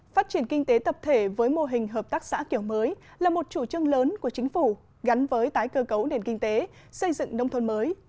phát triển kinh tế tập thể với mô hình hợp tác xã kiểu mới là một chủ trương lớn của chính phủ gắn với tái cơ cấu nền kinh tế xây dựng nông thôn mới